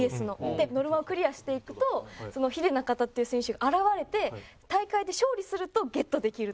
でノルマをクリアしていくとヒデナカタっていう選手が現れて大会で勝利するとゲットできるっていう。